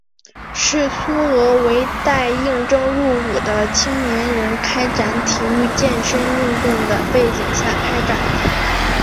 是苏俄为待应征入伍的青年人开展体育健身运动的背景下开展的。